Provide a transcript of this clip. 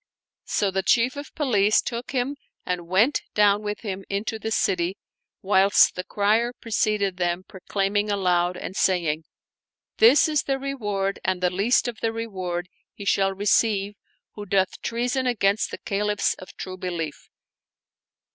So the Chief of Police took him and went down with him into the city, whilst the crier preceded them proclaim ing aloud and saying, " This is the reward and the least of the reward he shall receive who doth treason against the Caliphs of True Belief